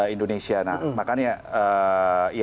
indonesia nah makanya